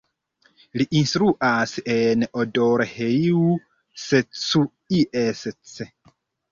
Li instruas en Odorheiu Secuiesc.